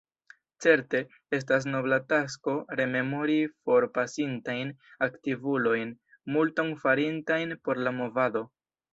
Certe, estas nobla tasko rememori forpasintajn aktivulojn, multon farintajn por la movado.